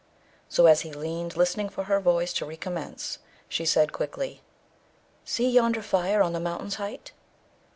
So, as he leaned, listening for her voice to recommence, she said quickly, 'See yonder fire on the mountain's height!'